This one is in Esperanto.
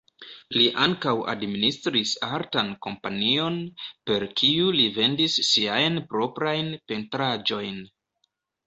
Li ankaŭ administris artan kompanion, per kiu li vendis siajn proprajn pentraĵojn.